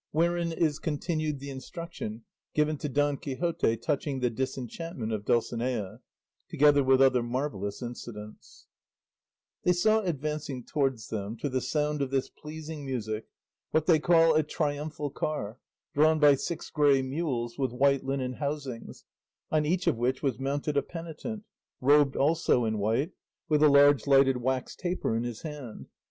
WHEREIN IS CONTINUED THE INSTRUCTION GIVEN TO DON QUIXOTE TOUCHING THE DISENCHANTMENT OF DULCINEA, TOGETHER WITH OTHER MARVELLOUS INCIDENTS They saw advancing towards them, to the sound of this pleasing music, what they call a triumphal car, drawn by six grey mules with white linen housings, on each of which was mounted a penitent, robed also in white, with a large lighted wax taper in his hand.